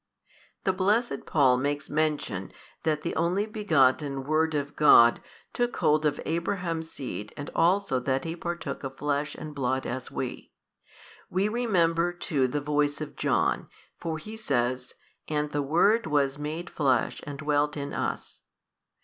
The blessed Paul makes mention that the Only Begotten Word of God took hold of Abraham's seed and also that He partook of flesh and blood as we. We remember too the voice of John, for he says, And the Word was made Flesh and dwelt in us.